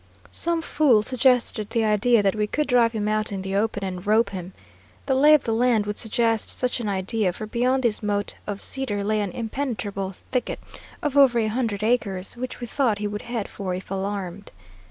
Some fool suggested the idea that we could drive him out in the open and rope him. The lay of the land would suggest such an idea, for beyond this motte of cedar lay an impenetrable thicket of over a hundred acres, which we thought he would head for if alarmed.